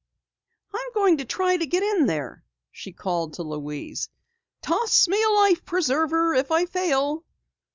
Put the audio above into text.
"I'm going to try to get in there!" she called to Louise. "Toss me a life preserver if I fail!"